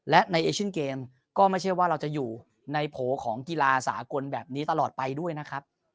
และในเอเชียนเกมก็ไม่ใช่ว่าเราจะอยู่ในโผล่ของกีฬาสากลแบบนี้ตลอดไปด้วยนะครับ